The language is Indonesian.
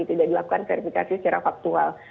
tidak dilakukan verifikasi secara faktual